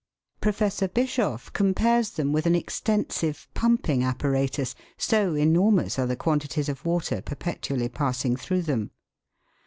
Professor Bischof compares them with an extensive pumping apparatus, so enormous are the quantities of water perpetually passing through them.